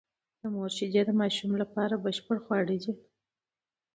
د مور شېدې د ماشوم لپاره بشپړ خواړه دي.